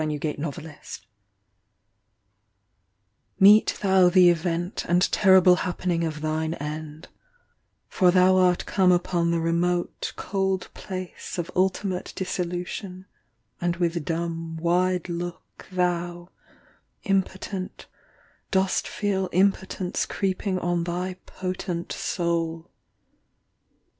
I905 26 JOHN KEATS Meet thou the event And terrible happening of Thine end : for thou art come Upon the remote, cold place Of ultimate dissolution and With dumb, wide look Thou, impotent, dost feel Impotence creeping on Thy potent soul.